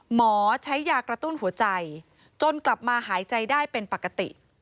หมอใช้ยากระตุ้นหัวใจจนกลับมาหายใจได้เป็นปกติ